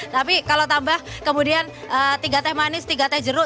tapi kalau tambah kemudian tiga teh manis tiga teh jeruk